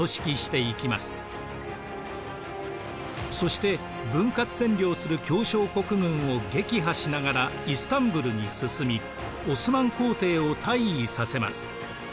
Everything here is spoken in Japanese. そして分割占領する協商国軍を撃破しながらイスタンブルに進みオスマン皇帝を退位させます。